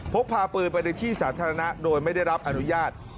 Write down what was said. พกพาปืนไปในที่สาธารณะโดยไม่ได้รับอนุญาต